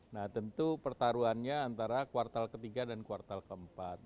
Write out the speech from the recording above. nah tentu pertaruhannya antara kuartal ketiga dan kuartal keempat